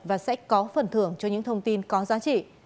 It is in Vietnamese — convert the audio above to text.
và sẽ có phần thưởng cho những thông tin có giá trị